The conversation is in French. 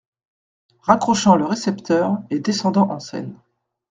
Raccrochant le récepteur et descendant en scène.